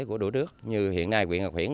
của đũa đước như hiện nay quyền ngọc hiển